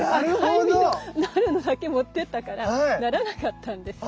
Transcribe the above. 赤い実のなるのだけ持ってったからならなかったんですよ。